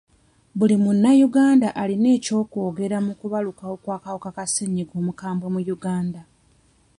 Buli munnayuganda alina ekyokwogera ku kubalukawo kw'akawuka ka ssenyiga omukambwe mu Uganda.